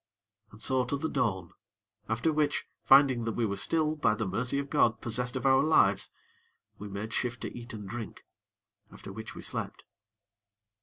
And so to the dawn, after which, finding that we were still, by the mercy of God, possessed of our lives, we made shift to eat and drink; after which we slept.